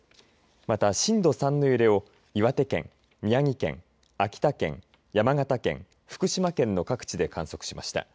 また、震度３の揺れを岩手県、宮城県、秋田県、山形県、福島県の各地で観測しました。